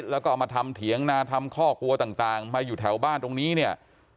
แล้วก็เอามาทำเถียงนาทำข้อกลัวต่างมาอยู่แถวบ้านตรงนี้เนี่ย